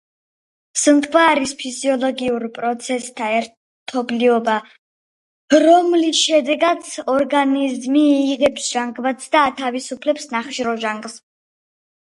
სუნთქვა არის: ფიზიოლოგიურ პროცესთა ერთობლიობა, რომლის შედეგადაც ორგანიზმი იღებს ჟანგბადს და ათავისუფლებს ნახშირორჟანგს.